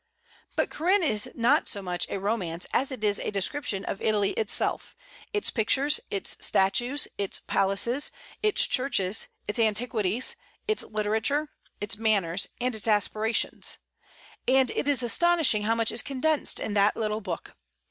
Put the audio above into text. But "Corinne" is not so much a romance as it is a description of Italy itself, its pictures, its statues, its palaces, its churches, its antiquities, its literature, its manners, and its aspirations; and it is astonishing how much is condensed in that little book.